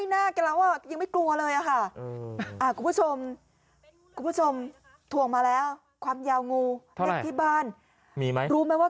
นี่ออกมาแล้ว